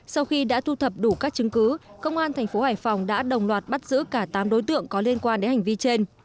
sau khi đã thu thập đủ các chứng cứ công an tp hải phòng đã đồng loạt bắt giữ cả tám đối tượng có liên quan đến hành vi trên